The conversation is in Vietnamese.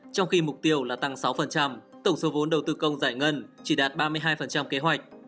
trong khi mục tiêu là tăng sáu tổng số vốn đầu tư công giải ngân chỉ đạt ba mươi hai kế hoạch